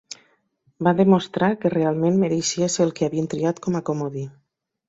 Va demostrar que realment mereixia ser el que havien triat com a comodí.